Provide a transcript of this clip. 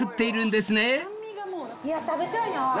いや食べたいな。